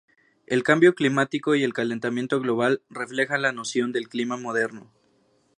El cambio climático y el calentamiento global refleja la noción del clima moderno.